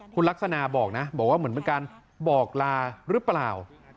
คุณลักษณะบอกนะบอกว่าเหมือนเป็นการบอกลาหรือเปล่า